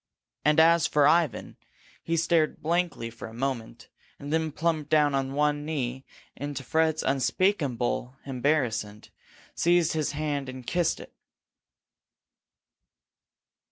And as for Ivan, he stared blankly for a moment, and then plumped down on one knee and, to Fred's unspeakable embarrassment, seized his hand and kissed it.